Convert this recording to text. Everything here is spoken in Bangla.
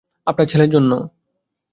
আপনার ছেলের জন্য?